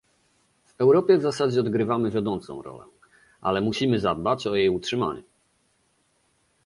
W Europie w zasadzie odgrywamy wiodącą rolę, ale musimy zadbać o jej utrzymanie